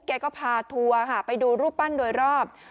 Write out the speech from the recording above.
แกก็พาทัวร์ค่ะไปดูรูปปั้นโดยรอบ